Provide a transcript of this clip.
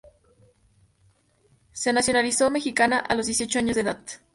Se nacionalizó mexicana a los dieciocho años de edad.